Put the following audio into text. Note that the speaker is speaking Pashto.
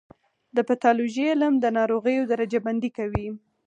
د پیتالوژي علم د ناروغیو درجه بندي کوي.